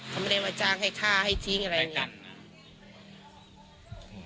เขาไม่ได้มาจ้างให้ฆ่าให้ทิ้งอะไรอย่างนั้นนะ